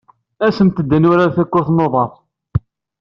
Asemt-d ad nurar takurt n uḍar!